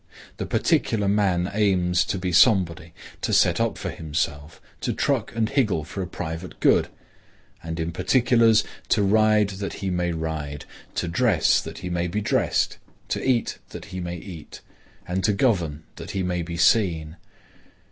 The particular man aims to be somebody; to set up for himself; to truck and higgle for a private good; and, in particulars, to ride that he may ride; to dress that he may be dressed; to eat that he may eat; and to govern, that he may be seen.